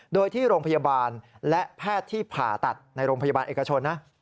โดยที่โรงพยาบาลและแพทย์ที่ผ่าตัดในโรงพยาบาลเอกชนนะ